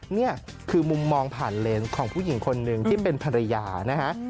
นี่คือมุมมองผ่านเลนส์ของผู้หญิงคนหนึ่งที่เป็นภรรยานะฮะ